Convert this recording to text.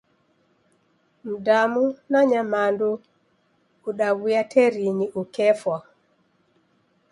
Mdamu na nyamandu udawuya terinyi ukefwa.